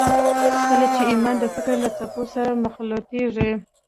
کله چې ايمان د فکر له څپو سره مخلوطېږي.